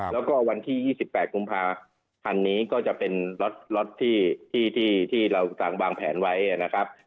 แล้วก็วันที่๒๘กุมภาพันธ์นี้ก็จะเป็นล็อตที่เราต่างวางแผนไว้นะครับ